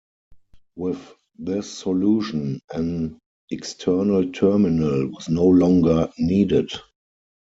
With this solution an external terminal was no longer needed.